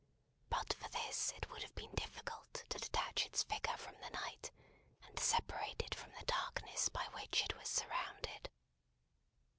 But for this it would have been difficult to detach its figure from the night, and separate it from the darkness by which it was surrounded.